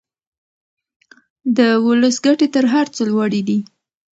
د ولس ګټې تر هر څه لوړې دي.